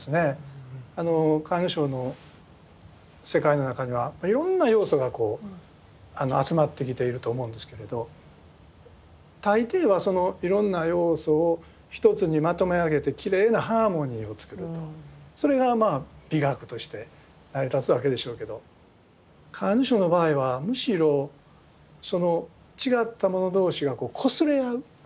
甲斐荘の世界の中にはいろんな要素が集まってきていると思うんですけれど大抵はいろんな要素を一つにまとめ上げてきれいなハーモニーをつくるとそれがまあ美学として成り立つわけでしょうけど甲斐荘の場合はむしろその違ったもの同士がこすれ合う？